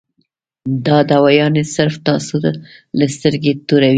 دا دوايانې صرف تاسو له سترګې توروي -